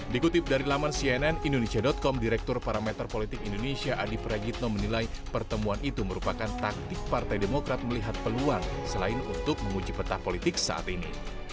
dikutip dari laman cnnindonesia com direktur parameter politik indonesia adi prajitno menilai pertemuan itu merupakan taktik partai demokrat melihat peluang selain untuk menguji peta politik saat ini